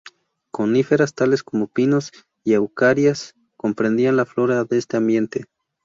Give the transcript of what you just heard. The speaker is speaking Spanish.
Coníferas tales como pinos y araucarias comprendían la flora de este ambiente.